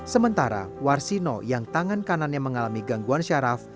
sementara warsino yang tangan kanannya mengalami gangguan syaraf